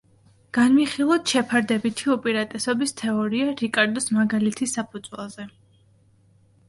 განვიხილოთ შეფარდებითი უპირატესობის თეორია რიკარდოს მაგალითის საფუძველზე.